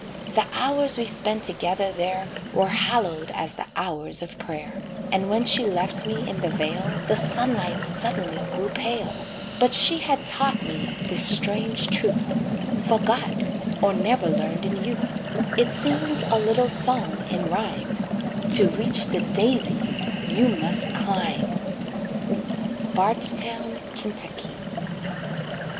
The hours we spent together there Were hallowed as the hours of prayer, And when she left me in the vale The sunlight suddenly grew pale; But she had taught me this strange truth, Forgot, or never learned in youth, It seems a little song in rhyme, "To reach the daisies, you must climb." BARDSTOWN, KY.